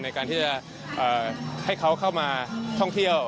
ในการที่จะให้เขาเข้ามาท่องเที่ยว